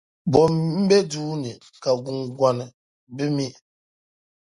Bɔ m-be duu ni ka guŋgɔni bi mi?